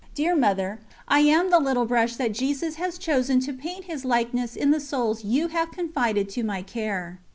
Dear Mother, I am the little brush that Jesus has chosen to paint His likeness in the souls you have confided to my care.